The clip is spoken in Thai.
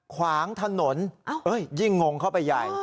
ขวางถนนยิ่งงงเข้าไปใหญ่